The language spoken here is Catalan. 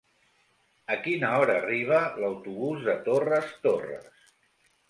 A quina hora arriba l'autobús de Torres Torres?